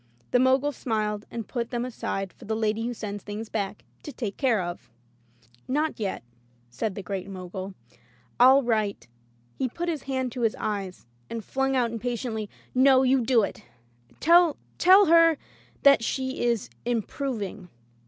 The Mogul smiled and put them aside for the lady who sends thing& back to take care of. "Not yet," said the Great Mogul. "FU write —". He put his hand to his eyes, and flung out impatiently, "No, you do it. Tell her — tell her that she is improving."